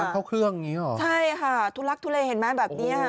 ใช่ค่ะทุลักทุเลเห็นไหมแบบนี้